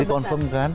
jadi confirm ya